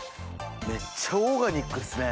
めっちゃオーガニックですね